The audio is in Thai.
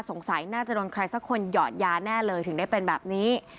สงสัยน่าจะโดนใครสักคนหยอดยาแน่เลยถึงได้เป็นแบบนี้